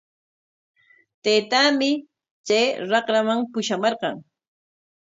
Taytaami chay raqraman pushamarqan.